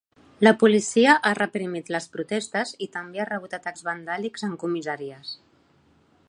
La policia ha reprimit les protestes i també ha rebut atacs vandàlics en comissaries.